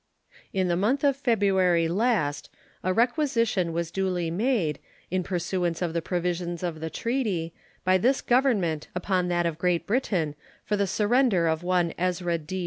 In the month of February last a requisition was duly made, in pursuance of the provisions of the treaty, by this Government upon that of Great Britain for the surrender of one Ezra D.